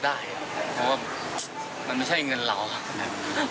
เพราะว่ามันไม่ใช่เงินเราไม่อยากได้เลยครับ